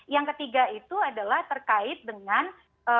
yang ketiga itu adalah terkait dengan bagaimana pengetahuan pemilih